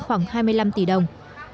khoảng hai mươi năm tỷ đồng